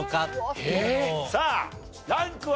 さあランクは？